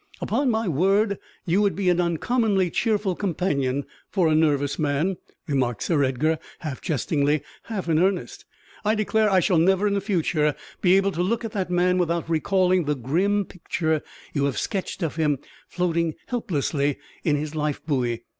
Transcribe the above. "Upon my word, you would be an uncommonly cheerful companion for a nervous man," remarked Sir Edgar, half jestingly, half in earnest. "I declare I shall never in future be able to look at that man without recalling the grim picture you have sketched of him floating helplessly in his life buoy.